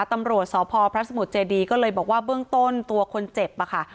ตำรวจสพพระสมุทรเจดีก็เลยบอกว่าเบื้องต้นตัวคนเจ็บอะค่ะ